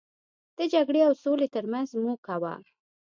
د جګړې او سولې ترمنځ موکه وه.